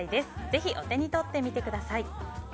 ぜひ、お手に取ってみてください。